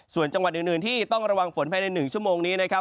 ส่วนจังหวัดอื่นที่ต้องระวังฝนภายใน๑ชั่วโมงนี้นะครับ